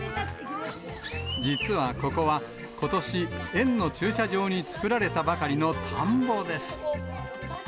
実はここは、ことし、園の駐車場に作られたばかりの田んぼです。